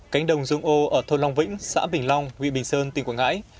cánh đồng dung ô ở thôn long vĩnh xã bình long vị bình sơn tỉnh quảng ngãi